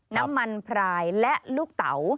น้ำมันพรายและลูกเต๋า